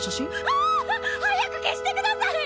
ああ！早く消してください！